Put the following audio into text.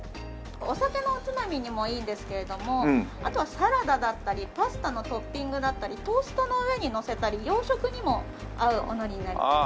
お酒のおつまみにもいいんですけれどもあとはサラダだったりパスタのトッピングだったりトーストの上にのせたり洋食にも合うお海苔になります。